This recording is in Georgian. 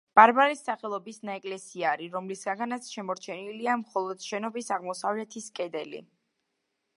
ბარბარეს სახელობის ნაეკლესიარი, რომლისგანაც შემორჩენილია მხოლოდ შენობის აღმოსავლეთის კედელი.